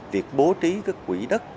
việc bố trí các quỹ đất